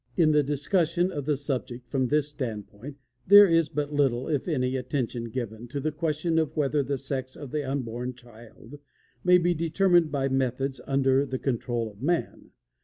In the discussion of the subject from this standpoint there is but little, if any, attention given to the question of whether the sex of the unborn child may be determined by methods under the control of man.